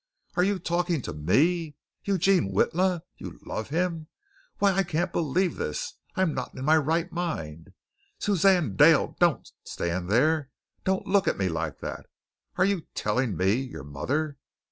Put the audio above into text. Are you talking to me? Eugene Witla!! You love him! Why I can't believe this. I'm not in my right mind. Suzanne Dale, don't stand there! Don't look at me like that! Are you telling me, your mother?